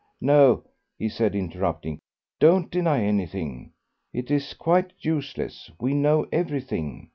No," he said, interrupting, "don't deny anything; it is quite useless, we know everything.